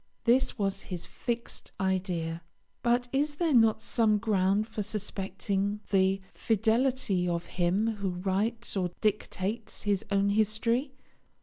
This was his fixed idea. But is there not some ground for suspecting the fidelity of him who writes or dictates his own history?